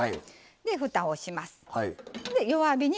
でふたをします。